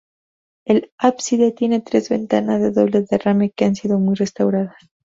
El ábside tiene tres ventanas de doble derrame, que han sido muy restauradas.